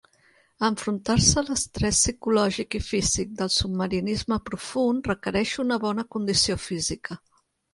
Enfrontar-se a l'estrès psicològic i físic del submarinisme profund requereix una bona condició física.